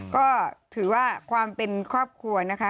ก็ถือว่าความเป็นครอบครัวนะคะ